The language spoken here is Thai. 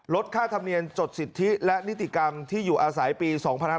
ค่าธรรมเนียมจดสิทธิและนิติกรรมที่อยู่อาศัยปี๒๕๕๙